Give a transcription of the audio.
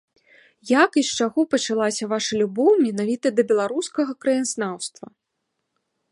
Як і з чаго пачалася ваша любоў менавіта да беларускага краязнаўства?